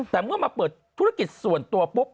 แต่เมื่อมาเปิดธุรกิจส่วนตัวปุ๊บ